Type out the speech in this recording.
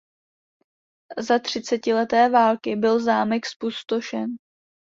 Za třicetileté války byl zámek zpustošen.